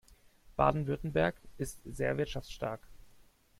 Baden-Württemberg ist sehr wirtschaftsstark.